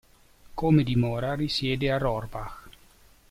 Come dimora risiede a Rohrbach.